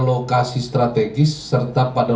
lokasi strategis serta pada